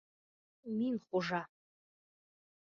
Мин хужа!